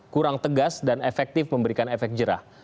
kurang tegas dan efektif memberikan efek jerah